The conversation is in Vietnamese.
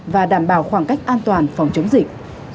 và đảm bảo khoảng cách an toàn phòng chống dịch